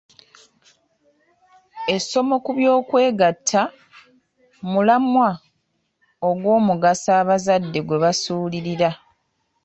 Essomo ku by'okwegatta mulamwa ogw'omugaso abazadde gwe basuulirira.